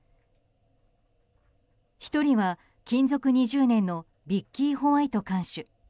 ２人は、勤続２０年のビッキー・ホワイト看守。